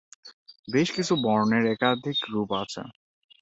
বেশ কিছু বর্ণের একাধিক রূপ আছে।